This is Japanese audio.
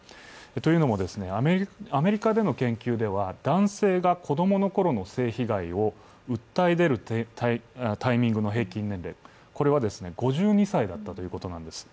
というのも、アメリカでの研究では男性が子供のころの性被害を訴え出るタイミングの平均年齢これは５２歳だったということなんです。